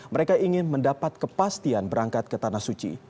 mereka ingin mendapat kepastian berangkat ke tanah suci